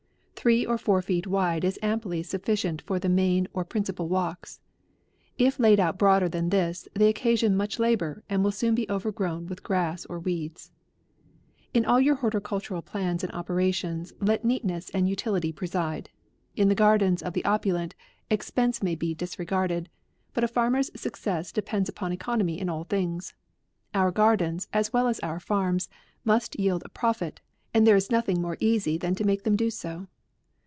Three or four feet wide is amply sufficient for the main or principal walks. If laid out broader than this, they occasion much labour, or will soon be overgrown with grass or weeds. In all your horticultural plans and opera APRIL. 45 lions, let neatness and utility preside. In the gardens of the opulent, expense may be disregarded ; but a farmer's success depends upon economy in all things. Our gardens, as well as our farms, must yield a profit, and there is nothing more easy than to make them do so.